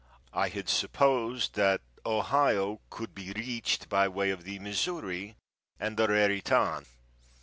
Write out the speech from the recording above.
I had supposed that Ohio could be reached by way of the Missouri and the Raritan.